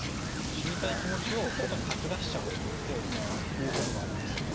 死にたい気持ちを外に吐き出しちゃおうと思って言うことがあります。